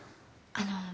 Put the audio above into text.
あの。